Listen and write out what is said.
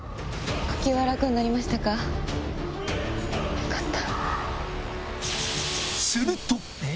よかった。